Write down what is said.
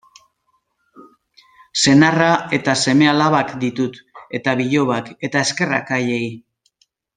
Senarra eta seme-alabak ditut, eta bilobak, eta eskerrak haiei.